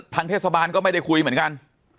ทางเทศบาลก็ไม่ได้คุยเหมือนกัน